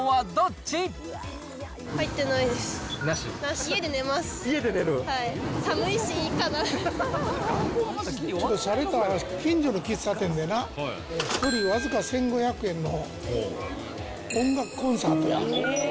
ちょっとしゃれた近所の喫茶店でな、１人僅か１５００円の音楽コンサート。